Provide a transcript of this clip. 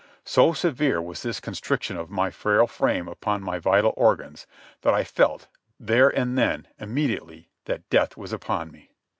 So severe was this constriction of my frail frame upon my vital organs that I felt, there and then, immediately, that death was upon me.